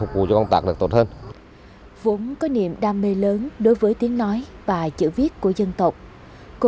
vốn có niềm đam mê lớn đối với tiếng nói và chữ viết của dân tập bru vân kiều